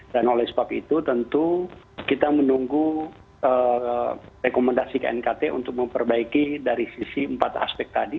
dan oleh sebab itu tentu kita menunggu rekomendasi knkt untuk memperbaiki dari sisi empat aspek tadi